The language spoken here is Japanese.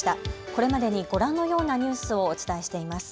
これまでにご覧のようなニュースをお伝えしています。